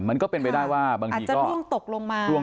มันก็เป็นไปได้ว่าบางทีก็ร่วงตกลงมา